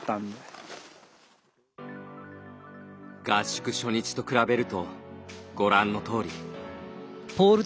合宿初日と比べるとご覧のとおり。